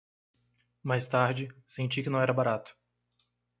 Mais tarde, senti que não era barato.